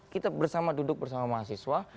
kita bersama duduk bersama mahasiswa